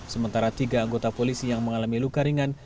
sementara tiga anggota polisi yang mengalami luka ringan